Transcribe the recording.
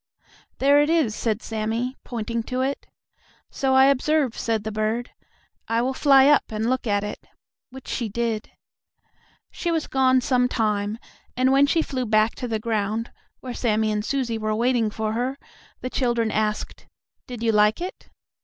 "There it is," said Sammie, pointing to it. "So I observe," said the bird. "I will fly up and look at it," which she did. She was gone some time, and when she flew back to the ground, where Sammie and Susie were waiting for her, the children asked: "Did you like it?"